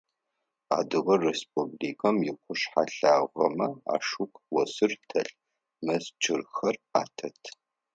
Адыгэ Республикэм икъушъхьэ лъагэмэ ашыгу осыр телъ, мэз кӏырхэр атет.